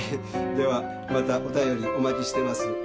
ではまたお便りお待ちしてます。